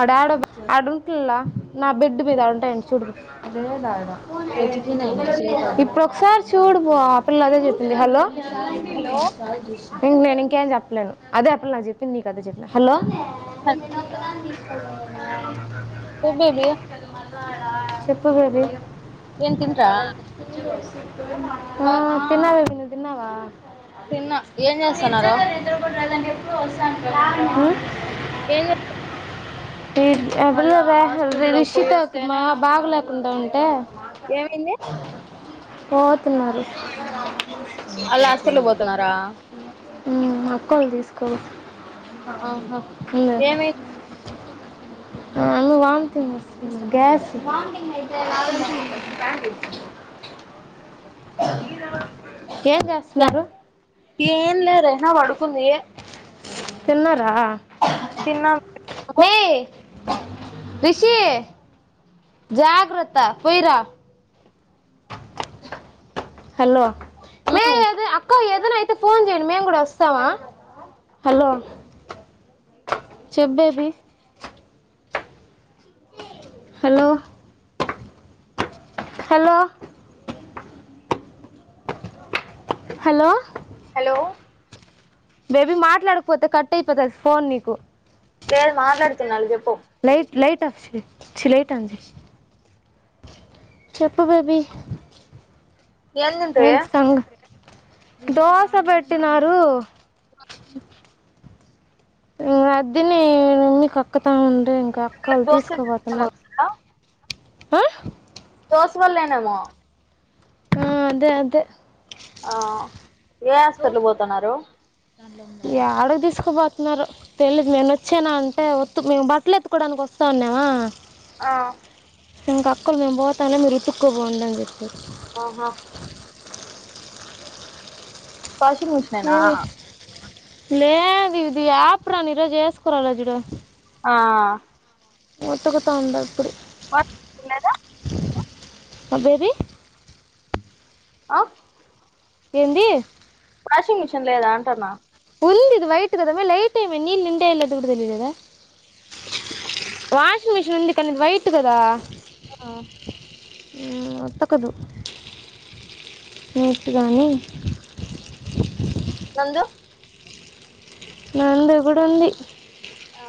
ఆడ ఆడుంటలేలా నా బెడ్ మీద ఆడు చూడు ఇప్పు ఒకసారి చూడుపో అప్పుడులా అదే చెప్పింది హలో హలో ఇం నేను ఇంకేం చెప్పలేను అదే చెప్పలే నా చెప్పింది నీక అదే చెప్ప హలో చెప్ బేబీ చెప్పు బేబీ ఏం తింట్రా తిన్నా బేబీ నువ్వు తిన్నావా తిన్నా ఏం చేస్తున్నారు ఆ ఏ రుషితో బాగలేకుండా ఉంటే ఏమైంది [unintelligible] వాళ్ళు హాస్పిటల్ పోతున్నారా మక్కవలు తీసుకోవల్ ఆహా ఏమై [unintelligible] గ్యాస్ ఎం చేస్తున్నారు ఎం చేస్తున్నారు ఏం లే రెనా పడుకుంది తిన్నారా తన్న నువ్వు మే రిషి జాగ్రత్త పోయిరా [inaudible] హలో ఉమ్ అదన అయితే ఫోన్ చేయండి మేము కూడా వస్తాము హలో చెబ్బేబి hello hello hello hello baby మాట్లాడకపోతే కట్ అయిపోతది ఫోన్ నీకు లేదు మాట్లాడుతున్నా చెప్పు ట చలి అయితంది చెప్పు బేబీ ఏం తింటివి ఏంటి సంగ దోశ పెట్టినారు ఇం అద్దని నమ్మి కక్కతా ఉంటే అక్కలు దోశ తీసుకోపోతున్నా తిన్నాము కదా. దోస వళ్ళనేమో ఆ అదే అదే ఆ ఏ హాస్పిటల్ పోతున్నారు అడగు తీసుకుపోతున్నారు తెలిదు నేను వచ్చానా అంటే ఒత్ మేము బట్టలు ఎత్తుకోవడానికి వస్ తన్నవా ఆ ఇంకా అక్క మేము పోతానే మీరు ఉతుక్కో పోండి అని చెప్పి ఆహా వాషింగ్ మిషనేనా ఏమి లేదు ఇది అప్రాన్ ఈరోజు ఏసుకోల జుడు ఆ ఉతుకుత ఉండ ఇప్పుడు వాచింగ్ మెషిన్ లేదు ఆ బేబీ ఆ ఏంది వాషింగ్ మిషిన్ లేదా అంటన్నా ఉంది ఇది వైట్ కద మే లేట్ నీళ్లు నిండాయో కూడా తెలీలేదా వాషింగ్ మిషన్ ఉంది కనీ వైట్ కదా ఆ ఊ ఉతకదు నోట్గానీ నందు నందు కూడా ఉంది ఆ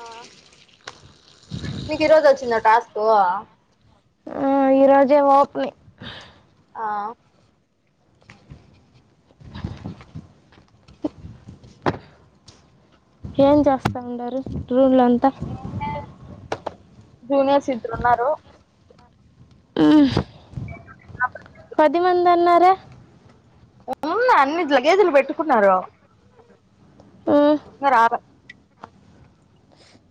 వా ఆ ఈ రోజే ఓప్ని ఆ ఏం చేస్తా ఉండారు రూమ్ల జూనియర్స్ ఇద్దరు ఉన్నారు ఉ పది మంది అన్నారే ఉన్నా అన్ని లగేజీలు పెట్టుకున్నారు మ్మ్, మ రావ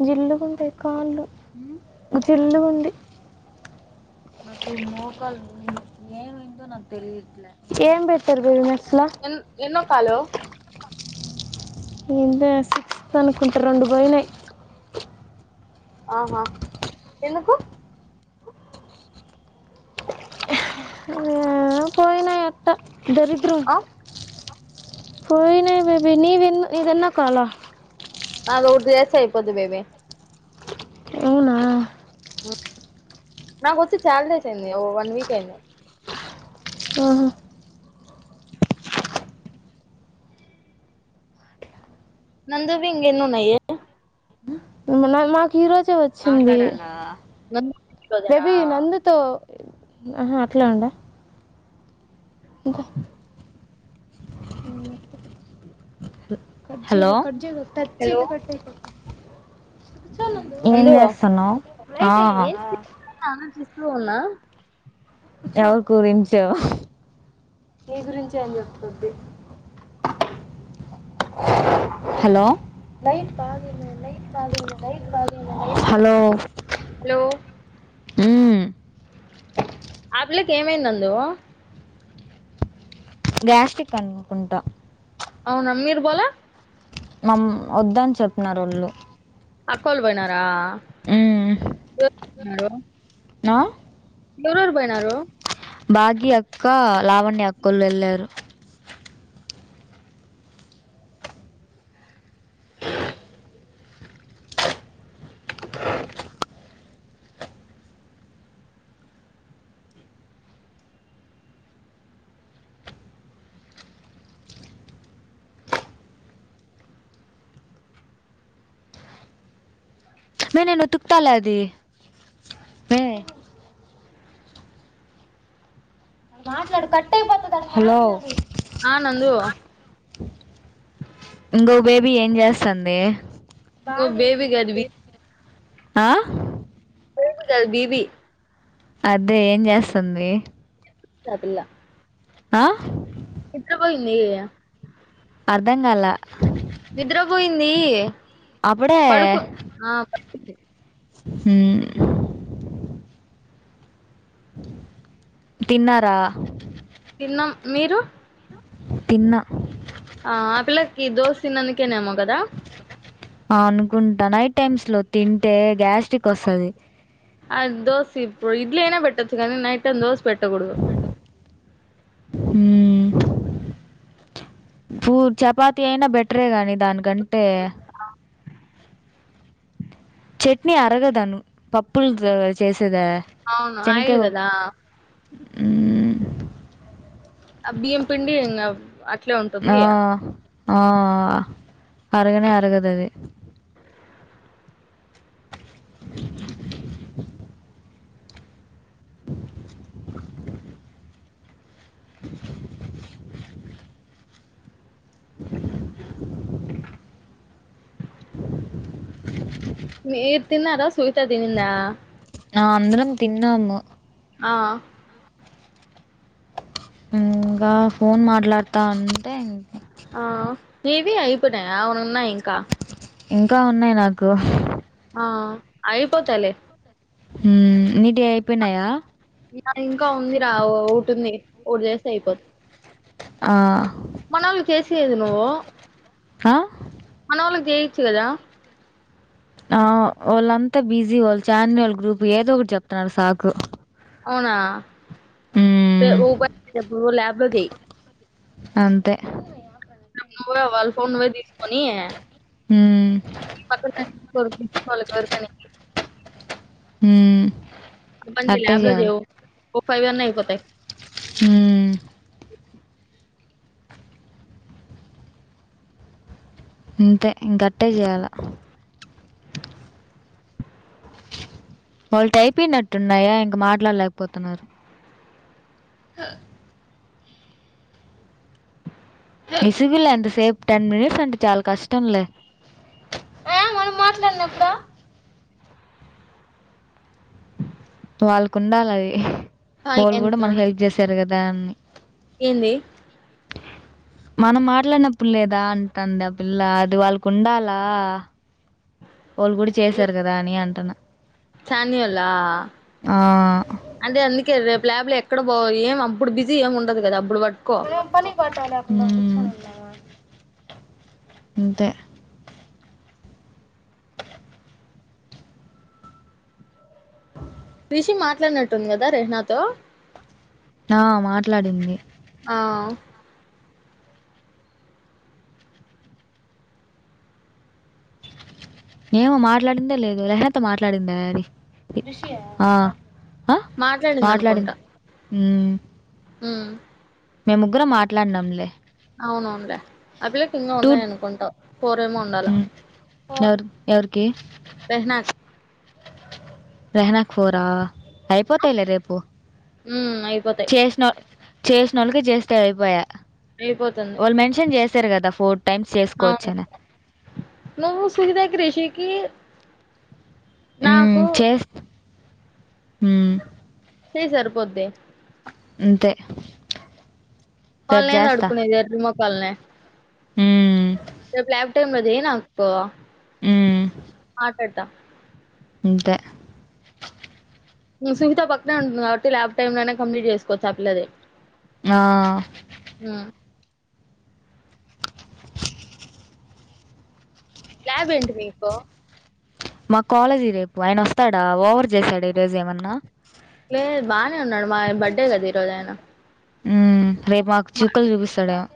జిల్లుగుండే కాళ్ళు ఆ జిల్లుగుంది ఈ మోకాళ్ళు ఏమైందో నాకు తెలియట్లే ఏం పెట్టారు బేరుమ ఎన్ ఎన్నో కాలు ఏంట సిక్స్త్ అనుకుంటారు రెండు పోయినాయి ఆహా ఎందుకు పోయినాయి అట్ట దరిద్రం ఆ హొయినయ్ బేబీ నీదెన్ ఇదెన్న కాల అదొటి చేస్తే అయిపోద్ది బేబీ అవునా నాకొచ్చి చాల్ డేస్ అయింది ఓ వన్ వీక్ అయింది ఊహు నందువి ఇంగెన్నున్నాయి మాకు ఈ రోజే వచ్చింది నందు ఈ రోజేనా అహా అట్లా ఉండా ఇంకా హలో టచ్ హలో అయితే కట్టైపో నందు చేస్తున్నావు ఆ, ఏం చూస్తూ ఉన్నా మీ గురించే అని చెప్పు బెబి అ హలో హలో హలో మ్మ్, ఆ పిల్లకి ఏమైంది నందు గ్యాస్టిక్ అనుకుంటా అవునా మీరు బోల వద్దని చెప్నరు ఒళ్ళు అక్కోలు బొయినార నా ఎవ్రెరు బొయినారు బాగ్యక్క లావణ్య అక్కోలు వెళ్లారు మే నేనుతుకుతాలే అది మే మాట్లాడు కట్టయిపోతది ఆ నందు ఇంకో బేబీ ఏం చేస్తాంది నువ్వు బేబీ కాదు బీ- ఆ బేబీ గాదు బీబీ అదే ఏం చేస్తుంది ఆ పిల్ల ఆ ఇత్ర పొయింది అర్థం కాల నిద్ర బొయింది అప్పుడే పడుకు ఆ పడుకుంది హు తిన్నారా తిన్నం మీరు తిన్నా ఆ ఆ పిల్లకి దోస్ తిన్నందుకేనేమో గదా అనుకుంటా నైట్ టైమ్స్ లో తింటే గ్యాస్ట్రిక్ వస్తది అద్ దోశిప్పు ఇడ్లీ ఐనా పెట్టొచ్చు గానీ నైట్ టైం దోశ పెట్టగుడుదు హ్మ్ పూ చపాతి అయినా బెటరే గాని దానికంటే చట్నీ అరగదను పప్పుల్ద్ చేసేదా అవును ఆయిల్ చెనికాయ్ పప్ కదా మ్మ్ ఆ బియ్యం పిండి ఇంకా అట్లే ఉంటుంది ఆ, ఆ. అరగనే అరుగదది. మీర్ తిన్నారా, శ్వేత తిన్ల అ అందరం తిన్నాము. ఆ. ఇగ ఫోన్ మాట్లాడతా అన్. ఆ ఏవి అయిపోయినాయ, ఉన్నాయ్ ఇంకా. ఇంకా ఉన్నాయి నాకు. ఆ అయిపోతలే. ఉమ్ నీది అయిపోయినాయా. ఇంకా ఉంది రా, ఓ ఒటుంది, ఒటి జెస్తే అయిపోత. ఆ. మనల్లి కేసేది నువ్వు. ఆ. మొక్కలెయచ్చు గద. ఆ వాళ్ళంతా బిజీ, వాళ్ళు ఛానల్ గ్రూప్, ఏదో ఒకటి చెప్తున్నారు సాకు. అవునా ఏ మ్మ్, ఉ బా ల్యాబ్లో జెయి. అంతే. నువ్వే వాళ ఫోన్ నువ్వే తీసుకొని యే. ఉమ్. [unintelligible] ఉమ్. మంచి ల్యాబ్ లో జేయవో ఓ ఫై అన్న అయిపోతాయి. ఉమ్. ఇంతే ఇం గట్టే జెయాల. వాళటి అయిపోయినట్టున్నాయా, ఇంక మాట్లాడలేకపోతున్నారు. విసుగులే అంతసేపు, టెన్ మినిట్స్ అంటే చాలా కష్టంలే. ఆ మనం మాట్లాడినప్పుడో. వాళ్ళకు ఉండాలి అది, ఆ, వొళ్ళు ఏం కూడా మనకి ప్లాన్? హెల్ప్ జెసారు గదా. ఏంది. మనం మాట్లాడినప్పుల్ లేదా, అంటంది ఆ పిల్ల, అది వాళ్ళకు ఉండాలా. ఓళ్ళు గుడా చేశారు కదా అని అంటన్నా. సాన్వల్లా ఆ, అంటే ఎందుకే రేప్. ల్యాబ్ లో ఎక్కడ పోయి ఎం అప్పుడు బిజి ఏము ఉండదు గదా, అప్పుడు బట్. మనం పనిపాటల. ఉమ్ అంతే. క్రిషి మాట్లాడినట్టుంది, గదా రెహనాతో. అ మాట్లాడింది. ఆ. ఏమో మాట్లాడిందో లేదు, రేహన్ తో మాట్లాడిందే, అది ఆ. మాట్లాడింది అనుకుంటా. ఉమ్. ఉమ్. మేము ముగ్గురం, మాట్లాడినాంలే. అవునవునులే, అ పిల్ల కి ఇంగా టూ ఉన్నాయి అనుకుంటావు, పోరేమో ఉండాల. మ్మ్. ఎవరు ఎవరికి. రహనా రహణకి ఫోర్ ఆ అయిపోతాయిలే రేపు ఉమ్ చేసిన చేసినోళ్ళకి చేస్తే అయిపోయా అయిపోతుంది. వాళ్ళు మెన్షన్ చేసారు కదా ఫోర్ టైమ్స్ చేసుకోవచ్చ అని ను సువిధాకి రేషికి నాకు హ సయి సరిపోద్ది అంతే రేపు వాళ్ని ఏంది అడుకునేది ఎర్రి మోకాల్ని ఉమ్ రేపు ల్యాబ్ టైమ్ లో చేయి నాకు ఉమ్ పెడతా అంతే సునీత పక్కనే ఉంటుంది కాబట్టి ల్యాబ్ టైమ్ లోనే కంప్లీట్ చేసుకోవచ్చు ఆ పిల్లదే ఆ ల్యాబ్ ఏంటి మీకు మా కాలేజీ రేపు ఆయన వస్తాడా ఓవర్ చేశాడు ఈరోజు ఏమన్నా లేదు బాగానే ఉన్నాడు మా బర్త్డే కదా ఈరోజు ఆయన ఉ రేపు మాకు మా చూక్కలు చూపిస్తాడు ఏమో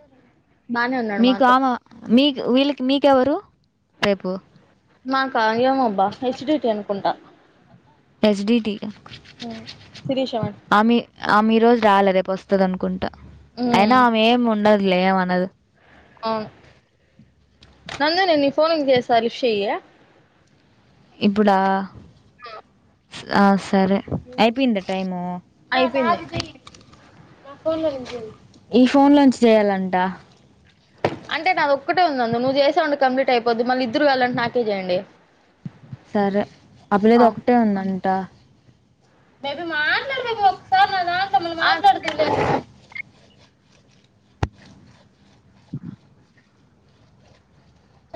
బానే ఉన్నాడు మీకు మాతో. ఆమ మీకు వీళ్ళకి మీకెవరు రేపు మా ఏమో అబ్బా హెచ్ డిటి అనుకుంటా హెచ్ డీ టి హ్మ్. శిరీష మేడం. అమే అమే ఈరోజు రాలే రేపు వస్తుంది అనుకుంటా అయినా హ్మ్. ఆమె ఏమి ఉండదు లే ఏం అనదు నందే నీ ఫోన్ చేస్తా లిఫ్ట్ చేయి ఇప్పుడా ఆ సరే అయిపోయిందా టైమ్ అయిపోయింది ఈ ఫోన్ లోంచి చేయాలంటా అంటే నాది ఒక్కటే ఉంది నందు నువ్వు చేసావంటి కంప్లీట్ అయిపోద్ది మళ్ళీ ఇద్దరు కావాలంటి నాకే చేయండి సరే ఆ పిల్లాది ఒకటే ఉందంటా టా ఆ [inaudible]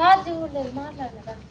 ఛార్జింగ్ కూడా లేదు మాట్లాడు